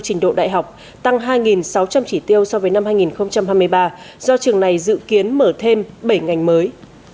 trường đại học công nghệ tp hcm dự kiến tuyển sinh một mươi hai năm trăm linh chỉ tiêu so với năm hai nghìn hai mươi ba do trường này dự kiến mở thêm bảy ngành mới